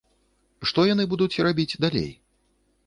Што яны будуць рабіць далей?